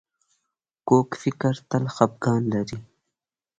کوږ فکر تل خپګان لري